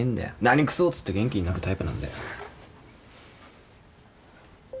何くそっつって元気になるタイプなんだよ。